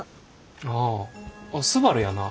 あああっすばるやな。